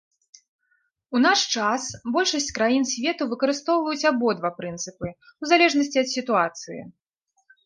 У наш час большасць краін свету выкарыстоўваюць абодва прынцыпы ў залежнасці ад сітуацыі.